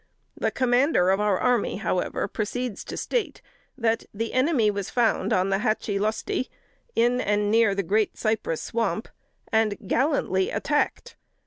The commander of our army, however, proceeds to state that "the enemy was found on the Hatchee lustee, in and near the great Cypress Swamp, and gallantly attacked.